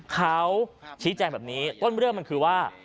เขาชี้แจงแบบนี้ต้นเรื่องมันคือว่า